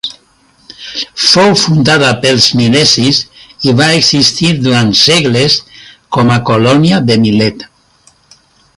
Fou fundada pels milesis, i va existir durant segles com a colònia de Milet.